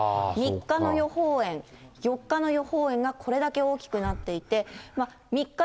３日の予報円、４日の予報円が、これだけ大きくなっていて、３日、